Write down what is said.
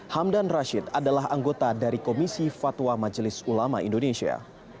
hamdan rashid adalah anggota dari komisi fatwa majelis ulama indonesia